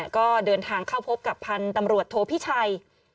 ก็เดินทางเข้าพบกับพันธุ์ตำรวจโทพิชัย